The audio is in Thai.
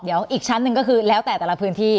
เดี๋ยวอีกชั้นหนึ่งก็คือแล้วแต่แต่ละพื้นที่